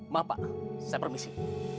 maaf pak saya permisi